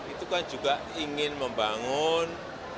itu kan juga ingin membangun